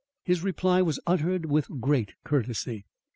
His reply was uttered with great courtesy.